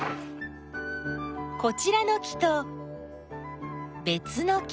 こちらの木とべつの木。